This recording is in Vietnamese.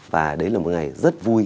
và đấy là một ngày rất vui